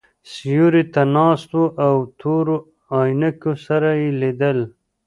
سیوري ته ناست وو او تورو عینکو سره یې لیدل.